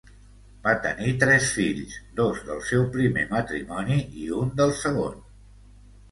Va tenir tres fills, dos del seu primer matrimoni i un del segon.